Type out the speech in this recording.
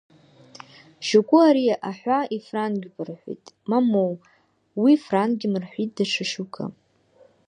Шьоукы ари аҳәа ифрангьуп рҳәыт, мамоу, уи франгьым рҳәыт даҽа шьоукы.